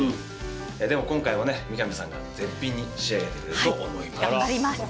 でも今回は三上さんが絶品に仕上げてくれると思います。